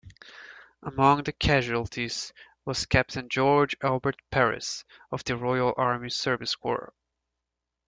Among the casualties was Captain George Albert Perris of the Royal Army Service Corps.